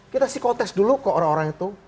kita psikotest dulu ke orang orang itu